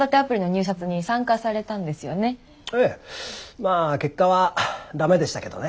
まあ結果はダメでしたけどね。